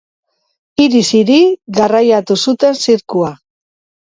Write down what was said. Hiriz hiri garraitu zuten zirkua.